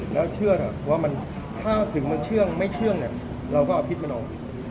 แล้วเชื่อว่าถ้าถึงมันเชื่องไม่เชื่องเราก็เอาพิษมันออก